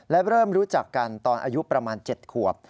และเริ่มรู้จักกันตอนอายุประมาณ๗ขวบ